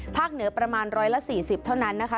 ภาคเหนือประมาณร้อยละ๔๐เท่านั้นนะคะ